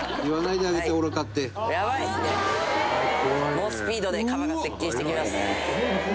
「猛スピードでカバが接近してきます」